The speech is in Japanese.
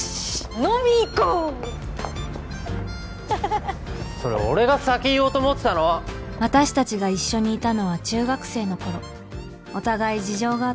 飲み行こうそれ俺が先言おうと思ってたの私達が一緒にいたのは中学生の頃お互い事情があって